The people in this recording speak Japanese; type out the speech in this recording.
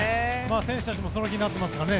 選手たちもその気になってますからね。